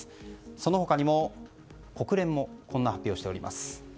その他にも国連にもこんな発表をしています。